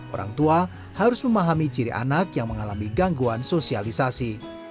orang tua harus memahami ciri anak yang mengalami gangguan sosialisasi